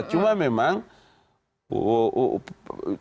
cuma memang pak jokowi